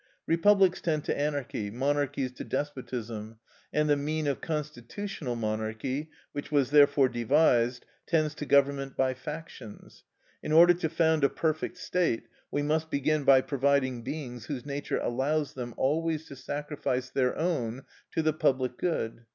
Republics tend to anarchy, monarchies to despotism, and the mean of constitutional monarchy, which was therefore devised, tends to government by factions. In order to found a perfect state, we must begin by providing beings whose nature allows them always to sacrifice their own to the public good.